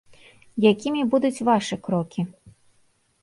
Якімі будуць вашы крокі?